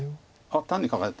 単にカカえた。